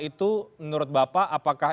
itu menurut bapak apakah